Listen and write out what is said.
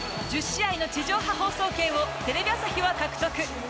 １０試合の地上波放送権をテレビ朝日は獲得！